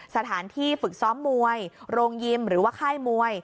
สถานที่ฝึกซ้อมมวยโรงยิมหรือว่าค่ายมวย